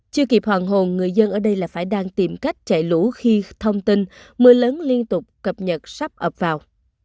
chưa kịp hoàn hồ người dân ở đây là phải đang tìm cách chạy lũ khi thông tin mưa lớn liên tục cập nhật sắp ập vào